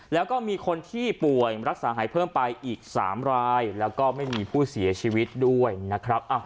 แล้วก็มีคนที่ป่วยรักษาหายเพิ่มไปอีก๓รายแล้วก็ไม่มีผู้เสียชีวิตด้วยนะครับ